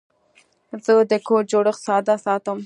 زه د کوډ جوړښت ساده ساتم.